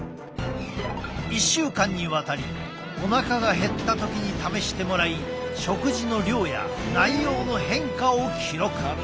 １週間にわたりおなかが減った時に試してもらい食事の量や内容の変化を記録。